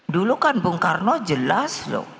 dulu kan bung karno jelas loh